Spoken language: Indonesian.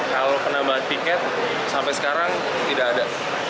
kalau penambahan tiket sampai sekarang tidak ada